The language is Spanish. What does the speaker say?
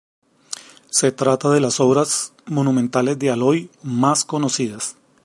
Se trata de las obras monumentales de Alloy más conocidas.